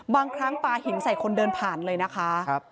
บางครั้งปลาหินใส่คนเดินผ่านเลยนะคะ